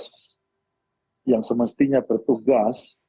satgas yang semestinya bertugas